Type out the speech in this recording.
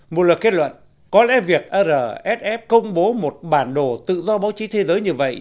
một loạt kết luận có lẽ việc rsf công bố một bản đồ tự do báo chí thế giới như vậy